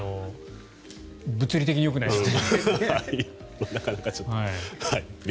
物理的によくないですね。